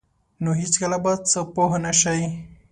نو هیڅکله به په څه پوه نشئ.